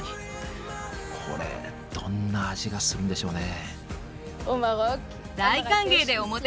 これどんな味がするんでしょうね。